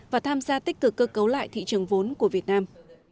và tham gia tích cực cơ cấu lại thị trường vốn của việt nam